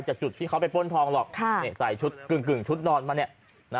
จากจุดที่เขาไปป้นทองหรอกใส่ชุดกึ่งชุดนอนมาเนี่ย